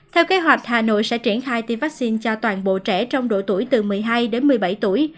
theo kế hoạch hà nội sẽ triển khai tiêm vaccine cho toàn bộ trẻ trong độ tuổi từ một mươi hai đến một mươi bảy tuổi